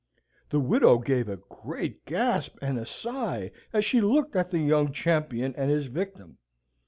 The widow gave a great gasp and a sigh as she looked at the young champion and his victim.